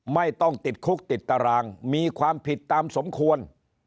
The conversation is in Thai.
ไม่ต้องติดคุกติดตารางมีความผิดตามสมควร